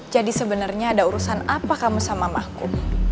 jadi sebenarnya ada urusan apa kamu sama mamahku